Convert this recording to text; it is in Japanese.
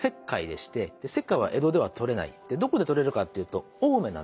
どこで採れるかっていうと青梅なんですね。